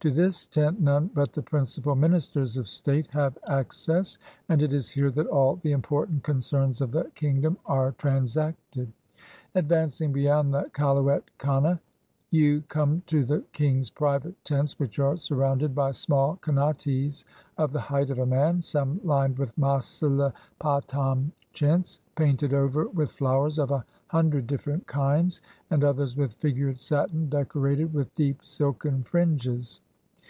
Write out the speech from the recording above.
To this tent none but the principal ministers of state have access, and it is here that all the important concerns of the kingdom are transacted. Advancing beyond the kaluet kane, you come to the king's private tents, which are surrounded by small kanates, of the height of a man, some lined with Maslipa tam chintz, painted over with flowers of a hundred different kinds, and others with figured satin, decorated with deep silken fringes.